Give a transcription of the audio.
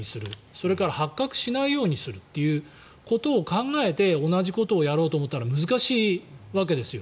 それから発覚しないようにするということを考えて同じことをやろうと思ったら難しいわけですよ。